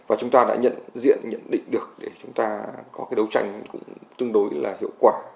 và chúng ta đã nhận diện nhận định được để chúng ta có cái đấu tranh cũng tương đối là hiệu quả